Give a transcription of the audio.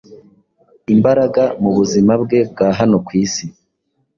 imbaraga mu buzima bwe bwa hano ku isi.